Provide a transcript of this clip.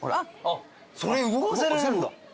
それ動かせるんだ。